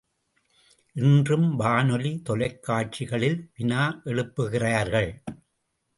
இன்றும் வானொலி, தொலைக்காட்சிகளில் வினா எழுப்புகிறார்கள்.